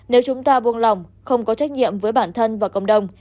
nếu chúng ta buông lòng không có trách nhiệm với bản thân và cộng đồng